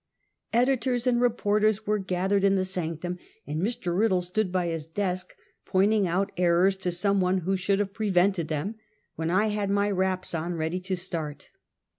Editors and reporters were gathered in the sanctum, and Mr. Riddle stood by his desk pointing out errors to some one who should have prevented them, when I had my wraps on ready to start.